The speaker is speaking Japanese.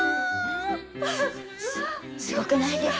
すごくないですか。